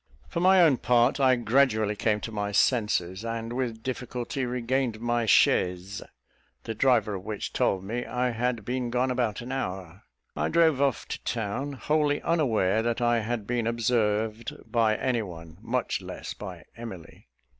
For my own part, I gradually came to my senses, and with difficulty regained my chaise, the driver of which told me I had been gone about an hour. I drove off to town, wholly unaware that I had been observed by any one, much less by Emily.